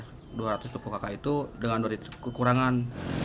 jadi kita sudah mengupayakan satu ratus lima puluh kakak itu dengan dua titik kekurangan